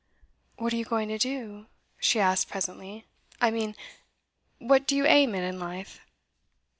'What are you going to do?' she asked presently. 'I mean, what do you aim at in life?